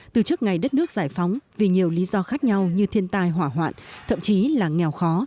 từ trước ngày đất nước giải phóng vì nhiều lý do khác nhau như thiên tai hỏa hoạn thậm chí là nghèo khó